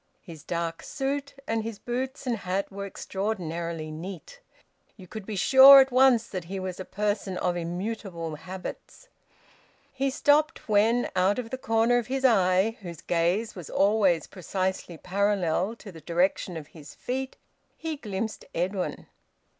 His dark suit and his boots and hat were extraordinarily neat. You could be sure at once that he was a person of immutable habits. He stopped when, out of the corner of his eye, whose gaze was always precisely parallel to the direction of his feet, he glimpsed Edwin.